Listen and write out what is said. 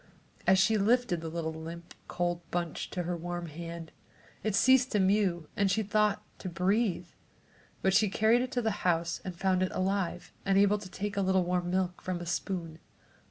As she lifted the little limp, cold bunch to her warm hand, it ceased to mew and, she thought, to breathe, but she carried it to the house and found it alive and able to take a little warm milk from a spoon.